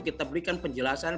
kita berikan penjelasan